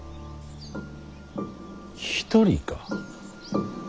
一人か？